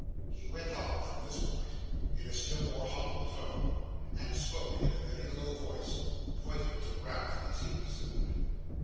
He went on, from this point, in a still more humble tone, and spoke in a very low voice; pointing to Ralph as he resumed.